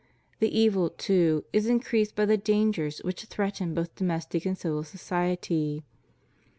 The evil, too, is increased by the dangers which threaten both domestic and civil society.